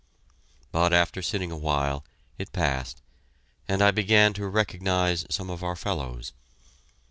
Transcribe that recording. But after sitting awhile, it passed, and I began to recognize some of our fellows.